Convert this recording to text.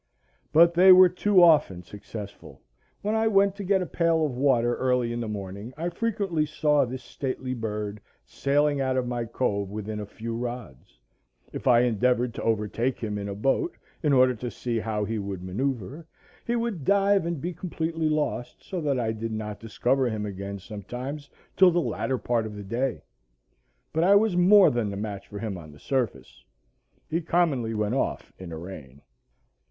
But they were too often successful. When I went to get a pail of water early in the morning I frequently saw this stately bird sailing out of my cove within a few rods. If I endeavored to overtake him in a boat, in order to see how he would manœuvre, he would dive and be completely lost, so that I did not discover him again, sometimes, till the latter part of the day. But I was more than a match for him on the surface. He commonly went off in a rain.